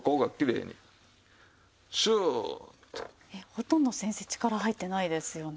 ほとんど先生力入ってないですよね？